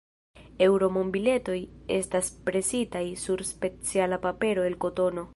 Eŭro-monbiletoj estas presitaj sur speciala papero el kotono.